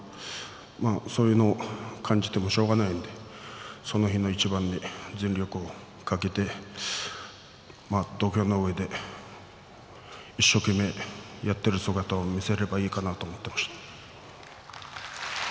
そういうのを感じてもしょうがないのでその日の一番に全力を懸けて土俵の上で一生懸命、やっている姿を見せればいいかなと思っていました。